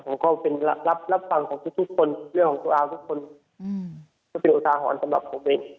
ส่วนคื่นบอกกับคนของตัวเราทุกคนเป็นต่อหอนสำหรับผมเอง